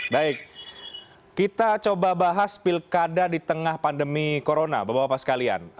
baik kita coba bahas pilkada di tengah pandemi corona bapak bapak sekalian